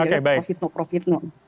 pemanggilnya prof yitno prof yitno